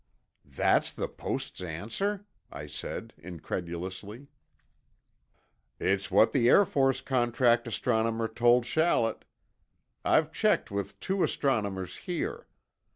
"That's the Post's answer?" I said, incredulously. "It's what the Air Force contract astronomer told Shallett. I've checked with two astronomers here.